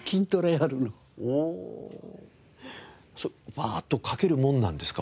バーッと書けるものなんですか？